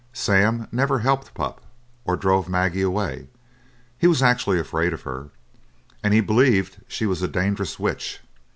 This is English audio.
Sam never helped Pup, or drove Maggie away; he was actually afraid of her, and believed she was a dangerous witch.